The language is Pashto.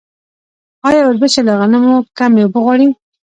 آیا وربشې له غنمو کمې اوبه غواړي؟